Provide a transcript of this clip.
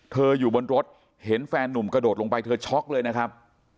อยู่บนรถเห็นแฟนหนุ่มกระโดดลงไปเธอช็อกเลยนะครับ